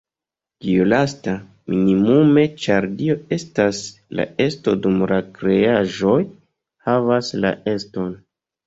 Tiu lasta, minimume, ĉar Dio estas la Esto dum la kreaĵoj "havas" la eston.